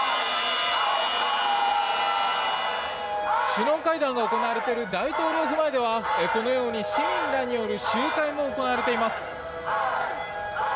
首脳会談が行われている大統領府前ではこのように市民らによる集会も行われています。